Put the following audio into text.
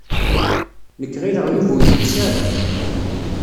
Nekk ɣileɣ Yuba ur itess ara.